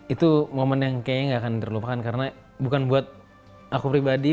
itu momen yang kayaknya gak akan terlupakan karena bukan buat aku pribadi